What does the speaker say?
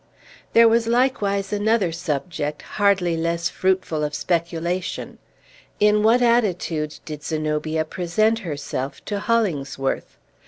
There was likewise another subject hardly less fruitful of speculation. In what attitude did Zenobia present herself to Hollingsworth?